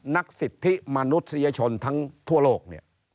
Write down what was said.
สิทธิมนุษยชนทั้งทั่วโลกเนี่ย